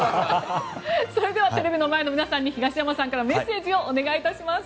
それではテレビの前の皆さんに東山さんからメッセージをお願いします。